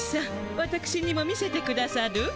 わたくしにも見せてくださる？